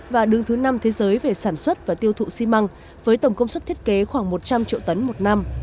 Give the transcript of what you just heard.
và đứng thứ năm thế giới về sản xuất và tiêu thụ xi măng với tổng công suất thiết kế khoảng một trăm linh triệu tấn một năm